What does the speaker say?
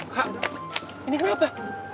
kak ini gue apa